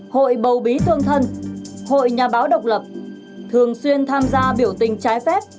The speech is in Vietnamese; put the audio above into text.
hội bầu bí tương thân hội nhà báo độc lập thường xuyên tham gia biểu tình trái phép